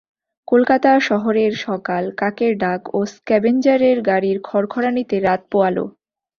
কলকাতা শহরের সকাল, কাকের ডাক ও স্ক্যাভেঞ্জারের গাড়ির খড়খড়ানিতে রাত পোয়ালো।